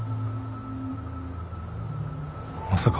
まさか。